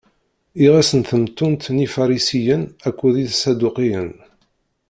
Iɣes n temtunt n Ifarisiyen akked Iṣaduqiyen.